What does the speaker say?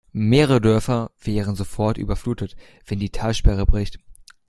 Mehrere Dörfer wären sofort überflutet, wenn die Talsperre bricht.